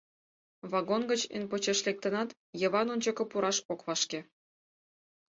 Вагон гыч эн почеш лектынат, Йыван ончыко пураш ок вашке.